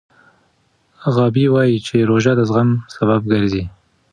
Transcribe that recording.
غابي وايي چې روژه د زغم سبب ګرځي.